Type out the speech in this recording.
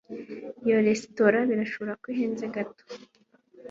Iyo resitora birashoboka ko ihenze gato